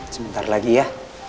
sebentar lagi ya